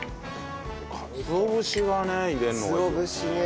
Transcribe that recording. かつお節がね入れるのがいいよね。